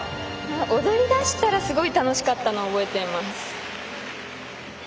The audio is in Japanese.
踊りだしたらすごく楽しかったのは覚えています。